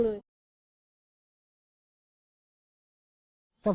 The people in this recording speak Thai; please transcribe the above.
แล้วตอนนี้ก็ยิงเลย